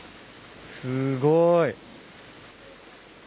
すごい。